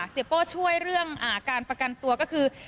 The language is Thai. โป้ช่วยเรื่องการประกันตัวก็คือ